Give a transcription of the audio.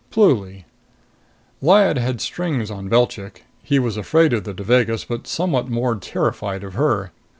Pluly: Lyad had strings on Belchik. He was afraid of the Devagas but somewhat more terrified of her.